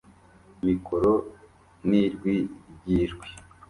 mikoro nijwi ryijwi